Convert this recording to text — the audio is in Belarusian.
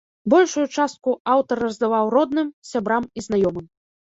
Большую частку аўтар раздаваў родным, сябрам і знаёмым.